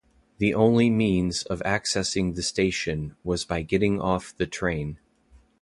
The only means of accessing the station was by getting off the train.